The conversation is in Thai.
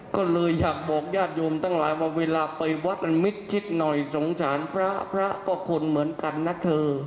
ก็เลยอยากบอกญาติโยมทั้งหลายว่าเวลาไปวัดมันมิดชิดหน่อยสงสารพระพระก็คนเหมือนกันนะเธอ